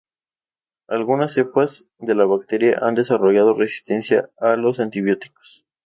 Algunas cepas de la bacteria han desarrollado resistencia a los antibióticos.